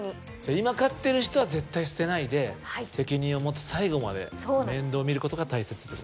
今飼ってる人は絶対捨てないで責任を持って最後まで面倒を見ることが大切ってことですね。